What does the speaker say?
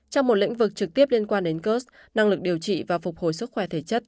trong một lĩnh vực trực tiếp liên quan đến kurs năng lực điều trị và phục hồi sức khỏe thể chất